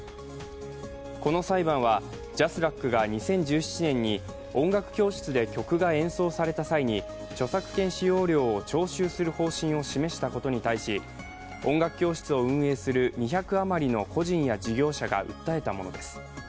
この裁判はＪＡＳＲＡＣが２０１７年に音楽教室で曲が演奏された際に著作権使用料を徴収する方針を示したことに対し音楽教室を運営する２００余りの個人や事業者が訴えたものです。